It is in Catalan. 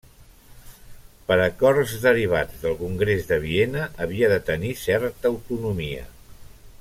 Per acords derivats del Congrés de Viena havia de tenir certa autonomia.